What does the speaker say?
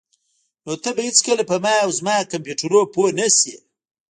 نو ته به هیڅکله په ما او زما کمپیوټرونو پوه نشې